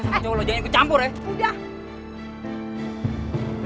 bilang sama cowok lo jangan kecampur ya